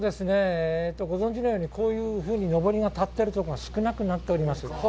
ご存じのようにこういうふうにのぼりが立ってるところが少なくなっております。